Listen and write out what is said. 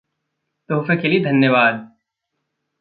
तोहफ़े के लिए धन्यवाद।